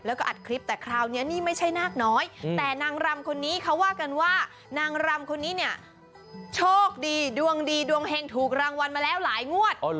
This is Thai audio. แล้วก็อัดคลิปแต่คราวนี้นี่ไม่ใช่นาคน้อยแต่นางรำคนนี้เขาว่ากันว่านางรำคนนี้เนี่ยโชคดีดวงดีดวงเฮงถูกรางวัลมาแล้วหลายงวด